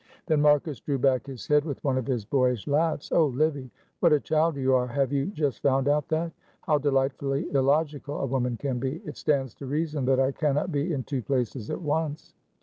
Then Marcus drew back his head with one of his boyish laughs. "Oh, Livy, what a child you are! have you just found out that? How delightfully illogical a woman can be! It stands to reason that I cannot be in two places at once."